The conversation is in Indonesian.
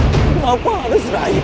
kenapa harus raih